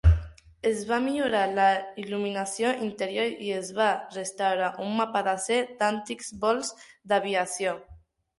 Es va millorar la il·luminació interior i es va restaurar un mapa d'acer d'antics vols d'aviació.